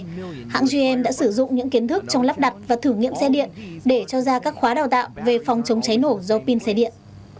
vì vậy hãng gm đã sử dụng những kiến thức trong lắp đặt và thử nghiệm xe điện để cho ra các khóa đào tạo về phòng chống cháy nổ do pin xe điện